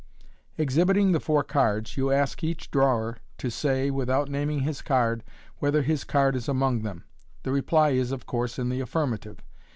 Exhibiting the four cards, you ask each drawer to say, with out naming his card, whether his card is among them. The reply is, of course, in the affirmative.